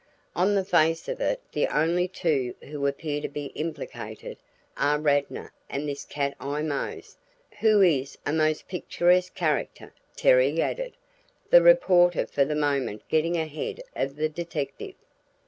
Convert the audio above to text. On the face of it the only two who appear to be implicated are Radnor and this Cat Eye Mose who is a most picturesque character," Terry added, the reporter for the moment getting ahead of the detective.